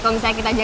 ya baik dak fada